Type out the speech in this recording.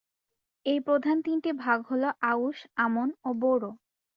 এই প্রধান তিনটি ভাগ হল আউশ, আমন ও বোরো।